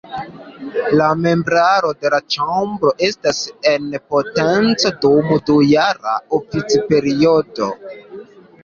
La membraro de la ĉambro estas en potenco dum dujara oficperiodo.